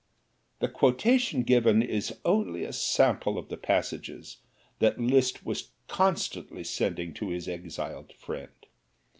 The quotation given is only a sample of the messages that Liszt was constantly sending to his exiled friend.